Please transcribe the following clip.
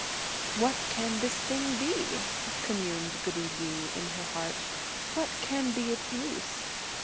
"What can this thing be?" communed goody Liu in her heart, "What can be its use?"